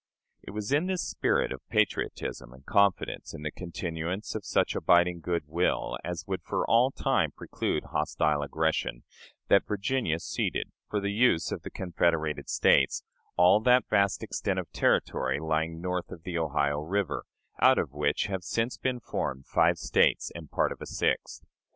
It was in this spirit of patriotism and confidence in the continuance of such abiding good will as would for all time preclude hostile aggression, that Virginia ceded, for the use of the confederated States, all that vast extent of territory lying north of the Ohio River, out of which have since been formed five States and part of a sixth.